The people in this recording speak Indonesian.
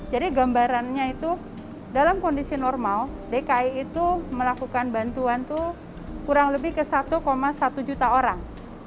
jadi gambarannya itu dalam kondisi normal dki itu melakukan bantuan itu kurang lebih ke satu satu juta orang